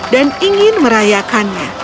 dan ingin merayakannya